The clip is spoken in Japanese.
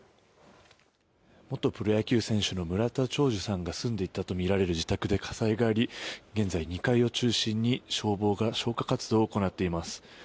元プロ野球選手の村田兆治さんが住んでいたとみられる自宅で火災があり現在、２階を中心に消防が消火活動を行っています。